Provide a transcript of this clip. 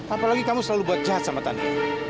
apalagi kamu selalu buat jahat sama tante